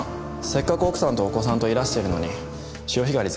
せっかく奥さんとお子さんといらしてるのに潮干狩り